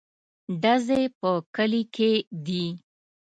_ډزې په کلي کې دي.